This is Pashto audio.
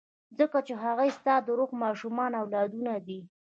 ځکه چې هغوی ستا د روح ماشومان او اولادونه دي.